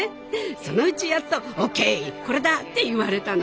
そのうちやっと「オーケーこれだ」って言われたの。